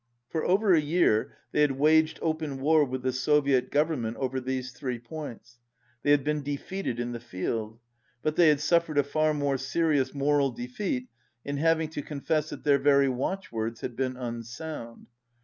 For over a year they had waged open war with the Soviet Government over these three points. They had been defeated in the field. But they had suffered a far more se rious moral defeat in having to confess that their very watchwords had been unsound.